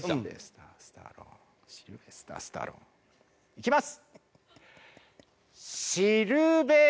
いきます！